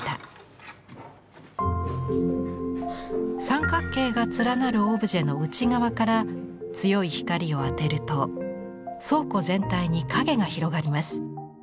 三角形が連なるオブジェの内側から強い光を当てると倉庫全体に影が広がります。